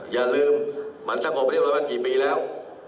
อย่าลืมมันสงบเรียบร้อยมากี่ปีแล้ว